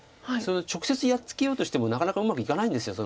直接やっつけようとしてもなかなかうまくいかないんです